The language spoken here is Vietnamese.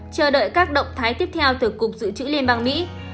chờ đợi các động thái tiếp theo từ cục dự trữ liên bang mỹ